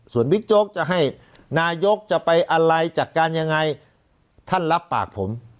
ส่วนบิ๊กโจ๊กจะให้นายกจะไปอะไรจัดการยังไงท่านรับปากผม